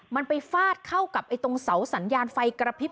มันไปฟาดเข้ากับตรงเสาสัญญาณไฟกระพริบ